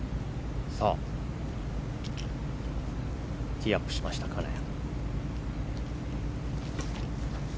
ティーアップしました、金谷。